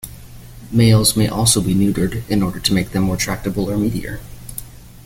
Males may also be neutered in order to make them more tractable or meatier.